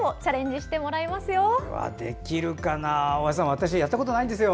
私、やったことないんですよ。